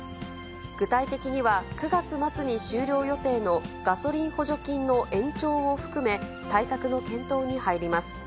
具体的には、９月末に終了予定のガソリン補助金の延長を含め、対策の検討に入ります。